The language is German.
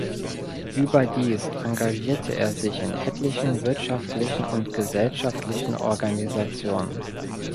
Überdies engagierte er sich in etlichen wirtschaftlichen und gesellschaftlichen Organisationen.